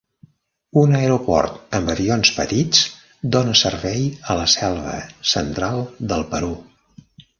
Un aeroport amb avions petits dóna servei a la Selva Central del Perú.